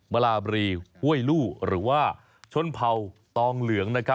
ลาบรีห้วยลู่หรือว่าชนเผ่าตองเหลือง